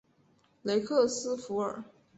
雷克斯弗尔。